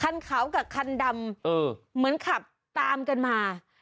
คันขาวกับคันดำแบบบันดากกันมา